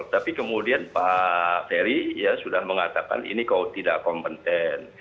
tapi kemudian pak ferry ya sudah mengatakan ini kok tidak kompeten